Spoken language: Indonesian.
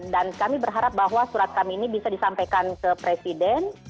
dan kami berharap bahwa surat kami ini bisa disampaikan ke presiden